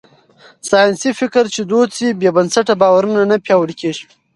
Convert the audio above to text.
ساينسي فکر چې دود شي، بې بنسټه باورونه نه پياوړي کېږي.